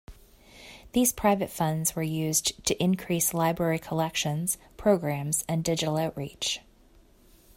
These private funds were used to increase Library collections, programs, and digital outreach.